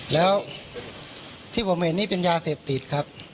แล้วที่ผมเห็นนี่เป็นยาเสพติดครับ